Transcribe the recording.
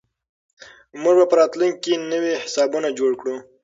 موږ به په راتلونکي کې نوي حسابونه جوړ کړو.